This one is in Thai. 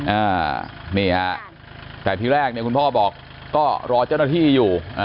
อ่านี่ฮะแต่ที่แรกเนี่ยคุณพ่อบอกก็รอเจ้าหน้าที่อยู่อ่า